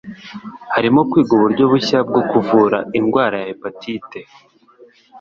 Harimo kwigwa uburyo bushya bwo kuvura indwara ya hepatite